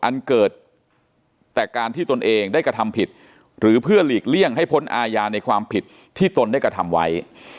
อันเกิดแต่การที่ตนเองได้กระทำผิดหรือเพื่อหลีกเลี่ยงให้พ้นอาญาในความผิดที่ตนได้กระทำไว้